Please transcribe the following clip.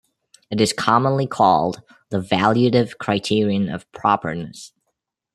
It is commonly called the valuative criterion of properness.